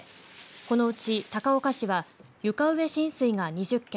このうち高岡市は床上浸水が２０件